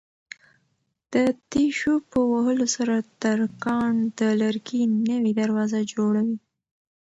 د تېشو په وهلو سره ترکاڼ د لرګي نوې دروازه جوړوي.